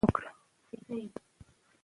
موږ باید د دورکهایم نظریات ولولو.